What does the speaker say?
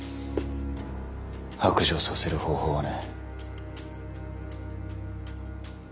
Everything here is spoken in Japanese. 白状させる方法はね。